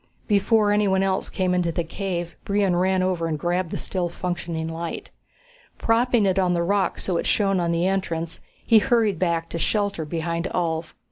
Before anyone else came into the cave, Brion ran over and grabbed the still functioning light. Propping it on the rocks so it shone on the entrance, he hurried back to shelter beside Ulv.